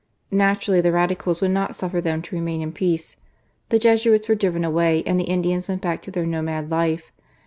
Naturally the Radicals would not suffer them to ■ remain in peace; the Jesuits were driven away and the Indians went back to their nomad life.